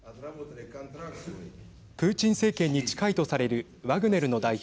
プーチン政権に近いとされるワグネルの代表